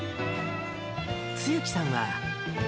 露木さんは。